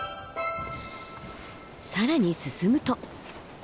更に進むと。